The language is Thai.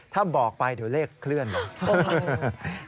ถ้าบอกไปเดี๋ยวเลขเคลื่อนเลย